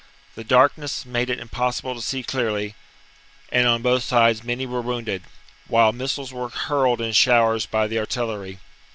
The darkness made it impossible to see clearly, and on both sides many were wounded ; while missiles were hurled in showers by the artillery.